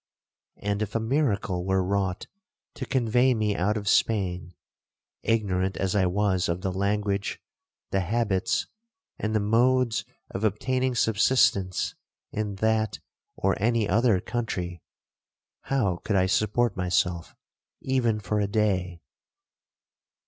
And, if a miracle were wrought to convey me out of Spain, ignorant as I was of the language, the habits, and the modes of obtaining subsistence, in that or any other country, how could I support myself even for a day.